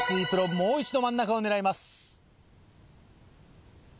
もう一度真ん中を狙います。